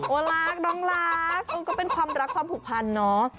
รักน้องรักก็เป็นความรักความผูกพันเนาะ